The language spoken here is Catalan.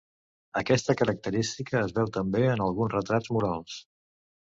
Aquesta característica es veu també en alguns retrats murals.